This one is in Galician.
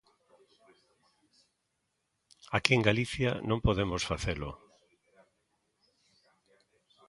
Aquí en Galicia non podemos facelo.